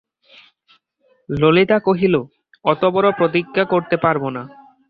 ললিতা কহিল, অতোবড়ো প্রতিজ্ঞা করতে পারব না।